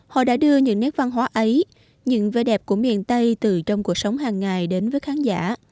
họ đã đưa những nét văn hóa ấy những vẻ đẹp của miền tây từ trong cuộc sống hàng ngày đến với khán giả